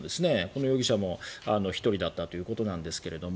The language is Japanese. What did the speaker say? この容疑者も１人だったということですが。